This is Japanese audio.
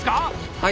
はい。